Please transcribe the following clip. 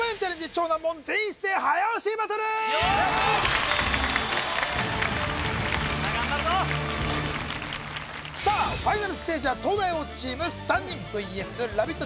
超難問全員一斉早押しバトルさあファイナルステージは東大王チーム３人ＶＳラヴィット！